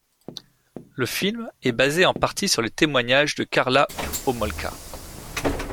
Le film est basé en partie sur le témoignage de Karla Homolka.